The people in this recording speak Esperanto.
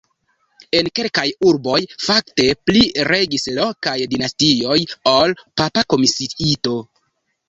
En kelkaj urboj fakte pli regis lokaj dinastioj ol papa komisiito.